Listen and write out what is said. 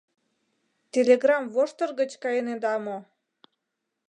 Телеграм воштыр гыч кайынеда мо?